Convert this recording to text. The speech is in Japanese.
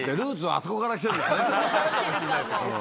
あそこからかもしれないですね。